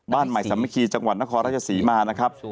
บ้านใหม่สามัคคีจังหวัดนครราชศรีมานะครับ